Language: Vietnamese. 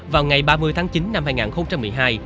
vào ngày ba mươi tháng chín năm hai nghìn một mươi hai